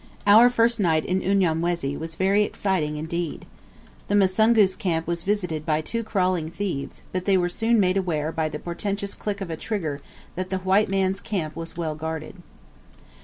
Our first night in Unyamwezi was very exciting indeed. The Musungu's camp was visited by two crawling thieves, but they were soon made aware by the portentous click of a trigger that the white man's camp was well guarded.